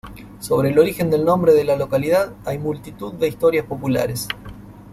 Sobre el origen del nombre de la localidad hay multitud de historias populares.